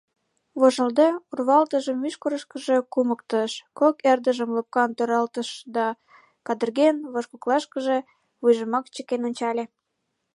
Вожылде, урвалтыжым мӱшкырышкыжӧ кумыктыш, кок эрдыжым лопкан торалтыш да, кадырген, вожгоклашкыже вуйжымак чыкен ончале.